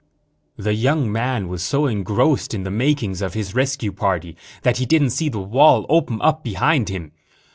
The young man was so engrossed in the makings of his rescue party that he didn't see the wall open up behind him.